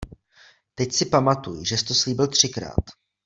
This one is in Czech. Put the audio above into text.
Teď si pamatuj, žes to slíbil třikrát.